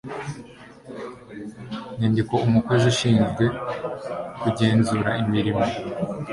nyandiko umukozi ushinzwe kugenzura imirimo